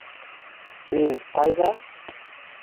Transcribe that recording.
Мин... ҡайҙа?